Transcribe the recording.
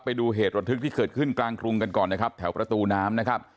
ไปดูเหตุระทึกที่เกิดขึ้นกลางกรุงกันก่อนนะครับแถวประตูน้ำนะครับ